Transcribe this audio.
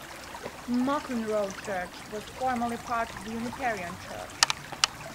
Mauchline Road Church was formerly part of the Unitarian Church.